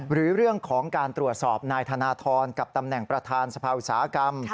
หรือเรื่องของการตรวจสอบนายธนทรกับตำแหน่งประธานสภาอุตสาหกรรม